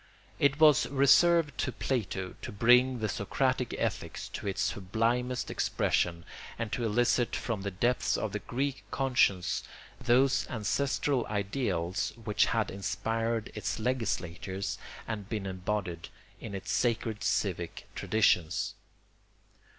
It was reserved to Plato to bring the Socratic ethics to its sublimest expression and to elicit from the depths of the Greek conscience those ancestral ideals which had inspired its legislators and been embodied in its sacred civic traditions.